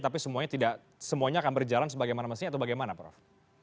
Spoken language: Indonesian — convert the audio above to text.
tapi semuanya tidak semuanya akan berjalan sebagaimana mestinya atau bagaimana prof